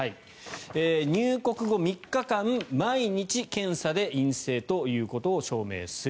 入国後３日間毎日検査で陰性ということを証明する。